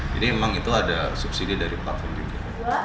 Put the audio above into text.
jadi memang itu ada subsidi dari platform juga